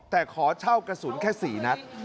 แต่ขอเช่ากระสุนแค่๔นัด